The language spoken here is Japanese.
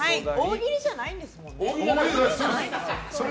大喜利じゃないんですもんね。